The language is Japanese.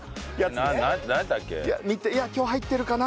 見て今日入ってるかな？